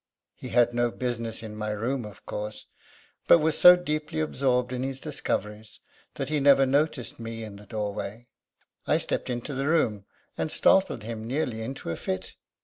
He had no business in my room, of course; but was so deeply absorbed in his discoveries that he never noticed me in the doorway. I stepped into the room and startled him nearly into a fit.